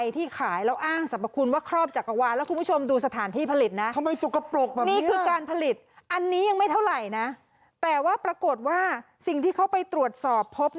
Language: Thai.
แต่ว่าปรากฏว่าสิ่งที่เขาไปตรวจสอบพบ